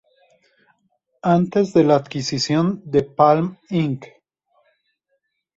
Antes de la adquisición de Palm, Inc.